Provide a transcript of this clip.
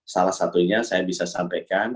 salah satunya saya bisa sampaikan